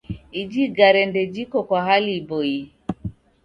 Iji igare ndejiko kwa hali iboie.